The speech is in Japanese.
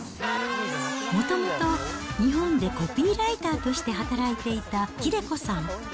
もともと日本でコピーライターとして働いていた英子さん。